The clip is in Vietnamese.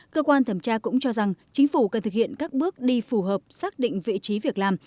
cơ quan thẩm tra cũng cho rằng chính phủ cần thực hiện các bước đi phù hợp xác định vị trí việc làm